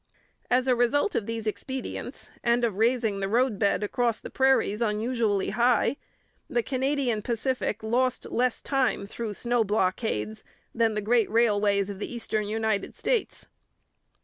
As a result of these expedients and of raising the road bed across the prairies unusually high, the Canadian Pacific lost less time through snow blockades than the great railways of the eastern United States.